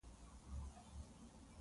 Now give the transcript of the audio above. د خدای ویره د وجدان روڼتیا ده.